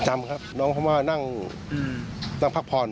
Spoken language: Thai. จำครับน้องเขามานั่งพักผ่อน